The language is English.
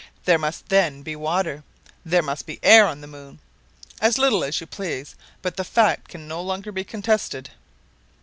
There must then be water, there must be air on the moon. As little as you please, but the fact can no longer be contested."